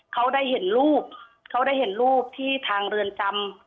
เขาได้เห็นรูปที่ทางเรือนจำ